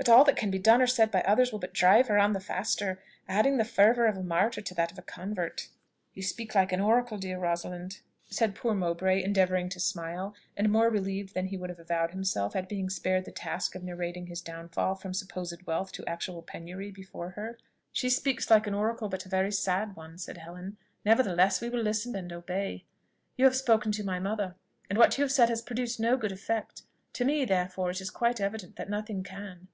But all that can be done or said by others will but drive her on the faster, adding the fervour of a martyr to that of a convert." "You speak like an oracle, dear Rosalind," said poor Mowbray, endeavouring to smile, and more relieved than he would have avowed to himself at being spared the task of narrating his downfall from supposed wealth to actual penury before her. "She speaks like an oracle, but a very sad one," said Helen. "Nevertheless, we will listen and obey. You have spoken to my mother, and what you have said has produced no good effect: to me, therefore, it is quite evident that nothing can.